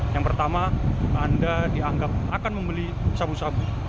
yang pertama anda dianggap akan membeli sabu sabu